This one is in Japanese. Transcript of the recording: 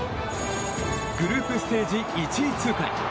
グループステージ１位通過へ。